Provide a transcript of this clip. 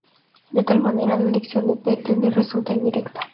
De tal manera, la elección del Intendente resultaba "indirecta".